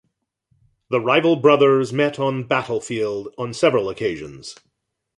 The rival brothers met on battlefield on several occasions.